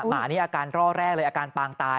หมานี่อาการร่อแรกเลยอาการปางตาย